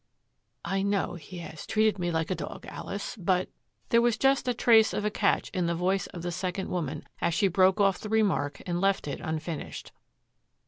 "I know he has treated me like a dog, Alice, but " There was just a trace of a catch in the voice of the second woman as she broke off the remark and left it unfinished.